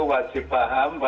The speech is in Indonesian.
wajib melindungi diri